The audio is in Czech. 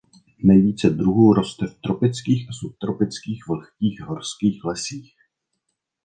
Nejvíce druhů roste v tropických a subtropických vlhkých horských lesích.